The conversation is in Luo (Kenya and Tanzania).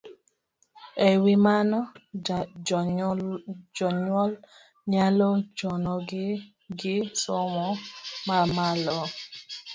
E wi mano, jonyuol nyalo chunogi gi somo mamalo.